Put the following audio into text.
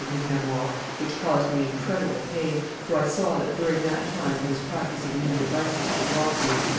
in his Memoires, "which caused me incredible pain, for I saw that during that time he was practising new devices to rob me.